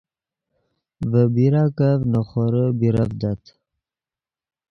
ڤے بیراکف نے خورے بیرڤدت